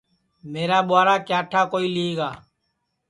میرا ٻورا کیا ٹھا کوئی لی گا